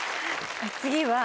次は。